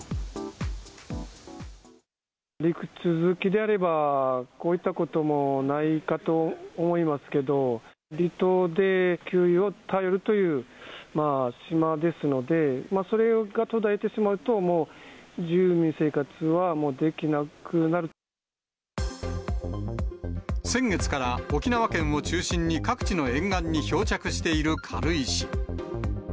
陸続きであれば、こういったこともないかと思いますけど、離島で給油を頼るという島ですので、それが途絶えてしまうと、もう、先月から、沖縄県を中心に各地の沿岸に漂着している軽石。